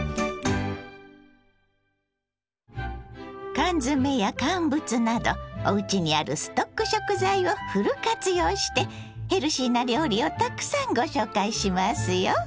缶詰や乾物などおうちにあるストック食材をフル活用してヘルシーな料理をたくさんご紹介しますよ。